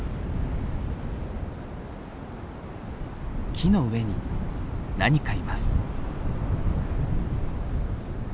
木の上に何かいます。